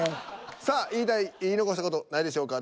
さあ言いたい言い残した事ないでしょうか。